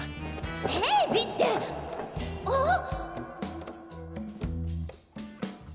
平次ってあっ！